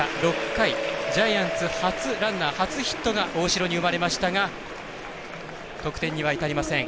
６回、ジャイアンツ初ランナー、初ヒットが大城に生まれましたが得点にはいたりません。